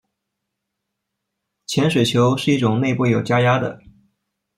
潜水球是一种内部有加压的。